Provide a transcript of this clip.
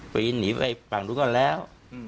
ไปหนีไปฝั่งนู้นก็แล้ว